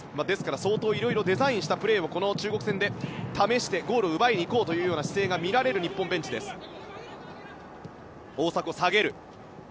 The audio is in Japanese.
ですから、相当いろいろデザインしたプレーをこの中国戦で試してゴールを奪いにいこうという姿勢が見られる日本ベンチです。